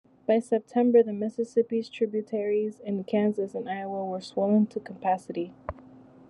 By September, the Mississippi's tributaries in Kansas and Iowa were swollen to capacity.